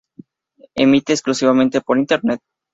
Emite exclusivamente por internet.